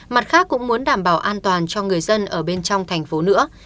mặt khác cũng muốn đảm bảo an toàn cho người dân ở bên trong thành phố nữa